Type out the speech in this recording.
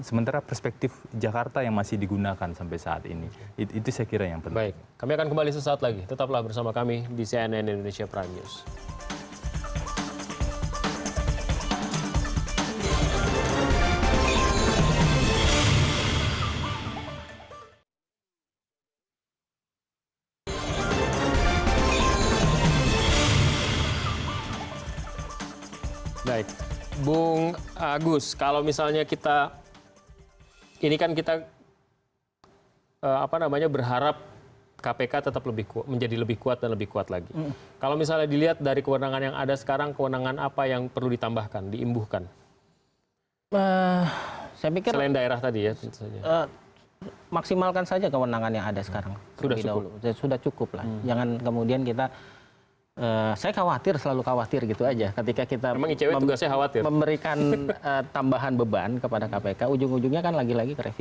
sementara perspektif jakarta yang masih digunakan sampai saat ini